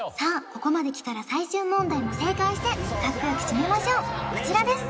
ここまできたら最終問題も正解してかっこよく締めましょうこちらです！